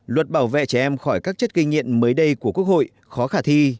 luật bảo vệ trẻ em khỏi các chất gây nghiện mới đây của quốc hội khó khả thi